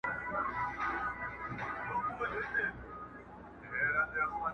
• که وفا که یارانه ده دلته دواړه سودا کیږي -